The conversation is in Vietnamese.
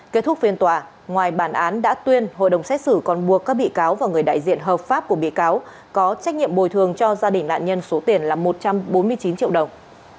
kết thúc phiên tòa ngoài bản án đã tuyên hội đồng xét xử còn buộc các bị cáo và người đại diện hợp pháp của bị cáo có trách nhiệm bồi thường cho gia đình nạn nhân số tiền là một trăm bốn mươi chín triệu đồng